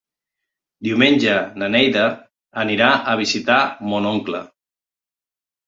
Diumenge na Neida anirà a visitar mon oncle.